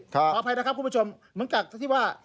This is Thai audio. ขออภัยนะครับคุณผู้ชมเหมือนกับที่ว่า